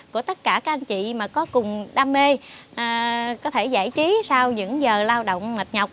của tất cả các anh chị mà có cùng đam mê có thể giải trí sau những giờ lao động mệt nhọc